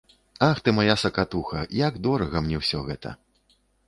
Ах ты мая сакатуха, як дорага мне ўсё гэта!